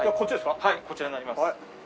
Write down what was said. はいこちらになります。